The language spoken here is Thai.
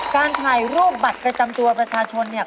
การถ่ายรูปบัตรประจำตัวประชาชนเนี่ย